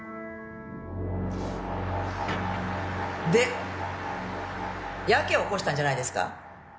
でやけを起こしたんじゃないですか？